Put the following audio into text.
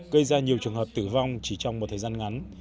gây ra nhiều trường hợp tử vong chỉ trong một thời gian ngắn